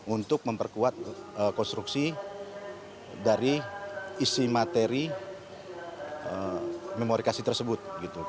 untuk memperkuat konstruksi dari isi materi memori kasasi tersebut